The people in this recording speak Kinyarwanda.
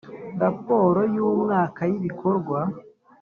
Raporo y umwaka y Ibikorwa